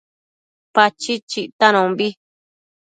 Pachid chictanombi